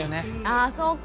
あそうか。